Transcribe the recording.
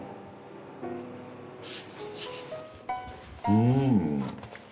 うん。